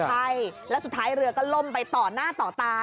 ใช่แล้วสุดท้ายเรือก็ล่มไปต่อหน้าต่อตา